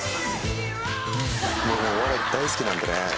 お笑い大好きなんでね。